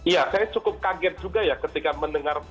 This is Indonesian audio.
ya saya cukup kaget juga ya ketika mendengar